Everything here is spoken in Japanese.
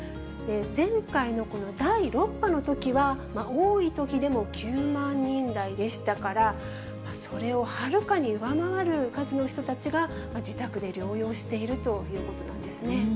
前回のこの第６波のときは、多いときでも９万人台でしたから、それをはるかに上回る数の人たちが、自宅で療養しているということなんですね。